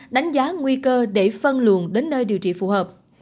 đánh giá nguy cơ để phân luồn đến nơi điều trị phù hợp